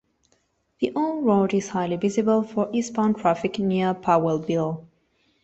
The old road is highly visible for eastbound traffic near Powellville.